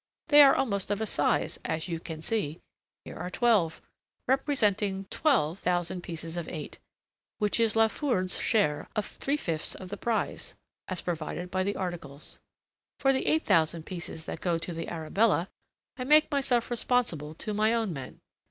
They are almost of a size, as you can see. Here are twelve, representing twelve thousand pieces of eight, which is La Foudre's share of three fifths of the prize, as provided by the articles. For the eight thousand pieces that go to the Arabella, I make myself responsible to my own men.